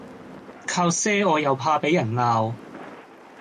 靠賒我又怕俾人鬧